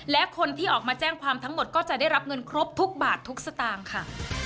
และคนที่ออกมาแจ้งความทั้งหมดก็จะได้รับเงินครบทุกบาททุกสตางค์ค่ะ